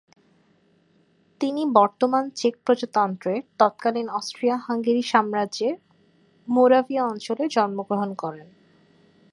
তিনি বর্তমান চেক প্রজাতন্ত্রের, তৎকালীন অস্ট্রিয়া-হাঙ্গেরি সাম্রাজ্যের মোরাভিয়া অঞ্চলে জন্মগ্রহণ করেন।